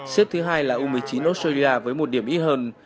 xếp thứ hai là u một mươi chín australia với một điểm ít hơn